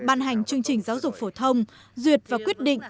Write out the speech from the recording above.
ban hành chương trình giáo dục phổ thông duyệt và quyết định